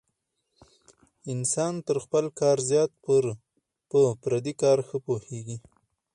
انسان تر خپل کار زیات په پردي کار ښه پوهېږي.